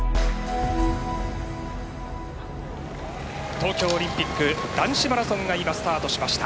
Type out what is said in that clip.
東京オリンピック男子マラソンが今スタートしました。